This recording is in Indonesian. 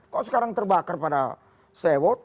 kok sekarang terbakar pada sewot